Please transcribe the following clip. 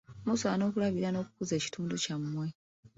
Musaana okulabirira n'okukuza ekitundu kyammwe.